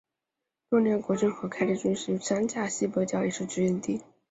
多尼戈尔郡和凯里郡的一处山岬西比尔角也是取景地。